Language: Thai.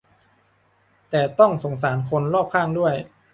แต่ต้องสงสารคนรอบข้างด้วย